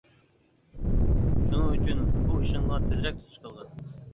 شۇنىڭ ئۈچۈن بۇ ئىشىڭغا تېزرەك تۇتۇش قىلغىن.